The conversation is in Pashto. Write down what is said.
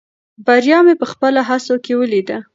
بریا مې په خپلو هڅو کې ولیده.